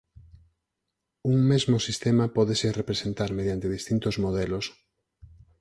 Un mesmo sistema pódese representar mediante distintos modelos.